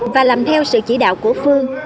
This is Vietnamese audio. và làm theo sự chỉ đạo của phương